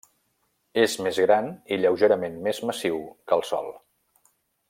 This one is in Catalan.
És més gran i lleugerament més massiu que el Sol.